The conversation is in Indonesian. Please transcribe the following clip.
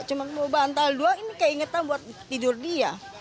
cuma bantal dua ini kayak ingetan buat tidur dia